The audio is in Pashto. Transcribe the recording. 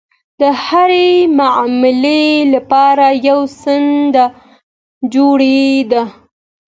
د هرې معاملې لپاره یو سند جوړېده.